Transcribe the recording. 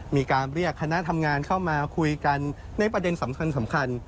มีการเรียกคณะทำงานเข้ามาคุยกันในประเด็นสำคัญ